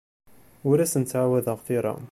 Ur asen-ttɛawadeɣ tira.